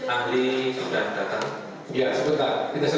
ahli sudah datang